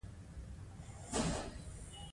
د فریزینګ پای انټروپي زیاتوي.